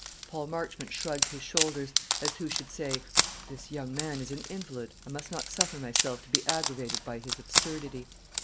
Paul Marchmont shrugged his shoulders, as who should say, "This young man is an invalid. I must not suffer myself to be aggravated by his absurdity."